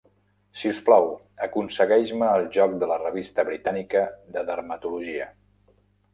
Si us plau, aconsegueix-me el joc de la Revista Britànica de Dermatologia.